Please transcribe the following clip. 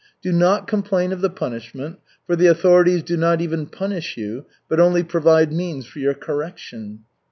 Do not complain of the punishment, for the authorities do not even punish you, but only provide means for your correction.